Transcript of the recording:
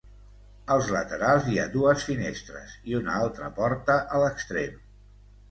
Als laterals hi ha dues finestres, i una altra porta a l'extrem.